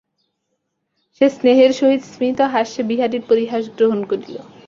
সে স্নেহের সহিত স্মিতহাস্যে বিহারীর পরিহাস গ্রহণ করিল।